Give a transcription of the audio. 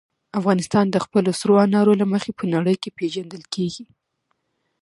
افغانستان د خپلو سرو انارو له مخې په نړۍ کې پېژندل کېږي.